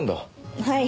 はい。